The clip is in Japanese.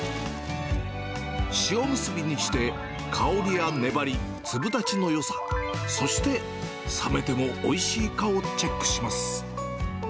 塩むすびにして、香りや粘り、粒立ちのよさ、そして、冷めてもおいしいかをチェックします。